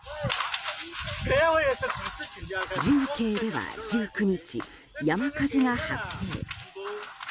重慶では１９日、山火事が発生。